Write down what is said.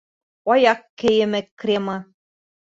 Аяҡ кейеме кремы.